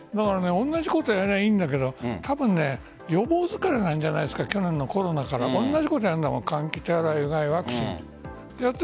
同じことやればいいんだけどたぶん予防疲れなんじゃないですか去年のコロナから同じことをやるから換気、手洗い、うがい、ワクチン。